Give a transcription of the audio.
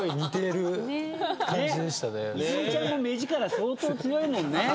泉ちゃんも目力相当強いもんね。